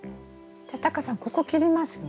じゃあタカさんここ切りますね。